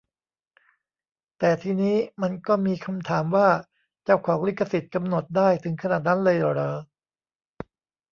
แต่ทีนี้ มันก็มีคำถามว่า เจ้าของลิขสิทธิ์กำหนดได้ถึงขนาดนั้นเลยเหรอ